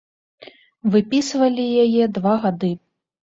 Выпісвалі яе два гады.